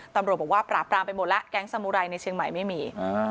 ตำรวจบอกว่าปราบปรามไปหมดแล้วแก๊งสมุไรในเชียงใหม่ไม่มี